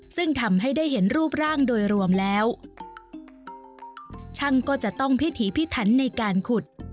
ซึ่งทำให้ได้เห็นรูปร่างโดยรวมแล้วช่างก็จะต้องพิถีพิถันในการขุด